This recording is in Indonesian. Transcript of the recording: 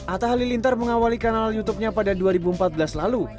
atta halilintar mengawali kanal youtubenya pada dua ribu empat belas lalu